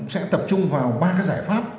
sẽ tập trung vào ba giải pháp